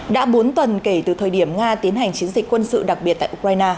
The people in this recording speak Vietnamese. đã bốn tuần kể từ thời điểm nga tiến hành chiến dịch quân sự đặc biệt tại ukraine